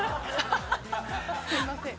すいません。